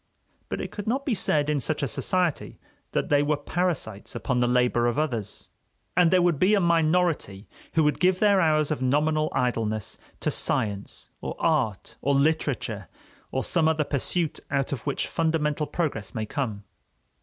But it could not be said, in such a society, that they were parasites upon the labor of others. And there would be a minority who would give their hours of nominal idleness to science or art or literature, or some other pursuit out of which fundamental progress may come.